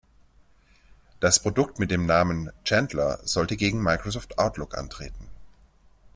Das Produkt mit dem Namen "Chandler" sollte gegen Microsoft Outlook antreten.